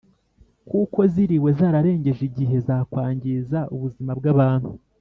kuko ziriwe zararengeje igihe zakwangiza ubuzima bw’abantu.